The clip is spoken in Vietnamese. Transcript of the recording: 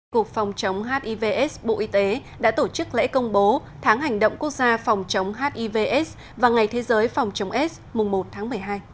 cục phòng chống hivs bộ y tế đã tổ chức lễ công bố tháng hành động quốc gia phòng chống hiv aids và ngày thế giới phòng chống s mùng một tháng một mươi hai